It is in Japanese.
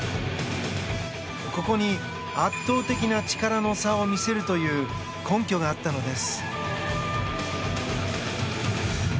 ここに圧倒的な力の差を見せるという根拠があったのです。